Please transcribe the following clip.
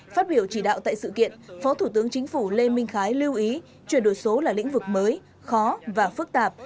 phát biểu chỉ đạo tại sự kiện phó thủ tướng chính phủ lê minh khái lưu ý chuyển đổi số là lĩnh vực mới khó và phức tạp